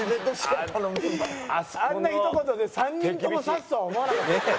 あんなひと言で３人とも刺すとは思わなかった。